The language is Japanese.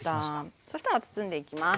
そしたら包んでいきます。